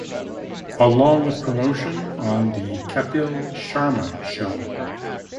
Along with promotion on "The Kapil Sharma Show".